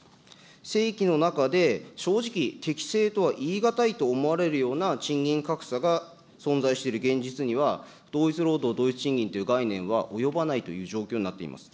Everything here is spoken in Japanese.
正規の中で正直、適正とは言い難いと思われるような賃金格差が存在している現実には、同一労働同一賃金という概念は及ばないという状況になっています。